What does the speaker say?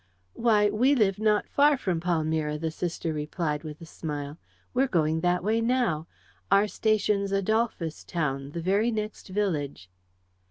"Why, we live not far from Palmyra," the sister replied, with a smile. "We're going that way now. Our station's Adolphus Town, the very next village."